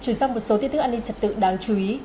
chuyển sang một số tin tức an ninh trật tự đáng chú ý